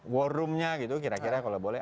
war room nya gitu kira kira kalau boleh